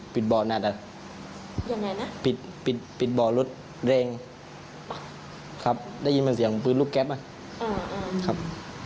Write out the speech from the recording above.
ผมว่าน่าจะไม่ตั้งใจกล้าหรอกครับ